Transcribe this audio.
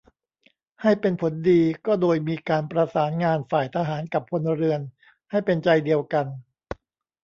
ให้เป็นผลดีก็โดยมีการประสานงานฝ่ายทหารกับพลเรือนให้เป็นใจเดียวกัน